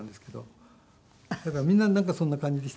だからみんななんかそんな感じでしたもんね。